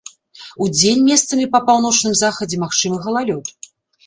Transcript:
Удзень месцамі па паўночным захадзе магчымы галалёд.